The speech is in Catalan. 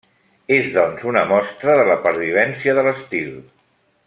És, doncs, una mostra de la pervivència de l'estil.